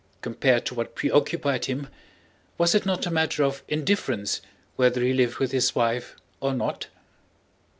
Compared to what preoccupied him, was it not a matter of indifference whether he lived with his wife or not?